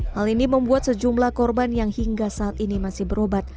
hal ini membuat sejumlah korban yang hingga saat ini masih berobat